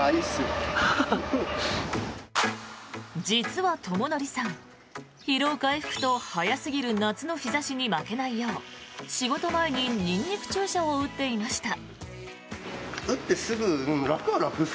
実はＴＯＭＯＮＯＲＩさん疲労回復と早すぎる夏の日差しに負けないよう仕事前にニンニク注射を打っていました。